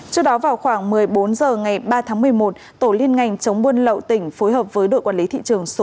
trước đó vào khoảng một mươi bốn h ngày ba tháng một mươi một tổ liên ngành chống buôn lậu tỉnh phối hợp với đội quản lý thị trường số một